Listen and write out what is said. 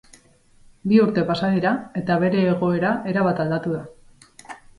Bi urte pasa dira, eta bere egoera erabat aldatu da.